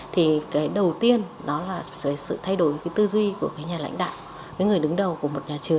thì đầu tiên là sự thay đổi tư duy của nhà lãnh đạo